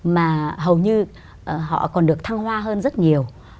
mà hầu như họ còn được thăng hoa hơn rất nhiều